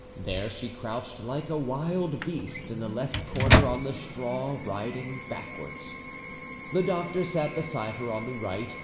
There she crouched like a wild beast, in the left corner, on the straw, riding backwards. The doctor sat beside her on the right.